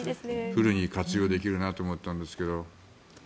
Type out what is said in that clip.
フルに活用できるなと思ったんですけど。